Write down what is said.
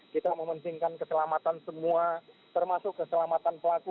kita mementingkan keselamatan semua termasuk keselamatan pelaku